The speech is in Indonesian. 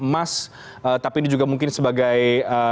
mas tapi ini juga mungkin sebagai